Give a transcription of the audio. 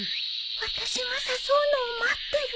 私が誘うのを待ってる？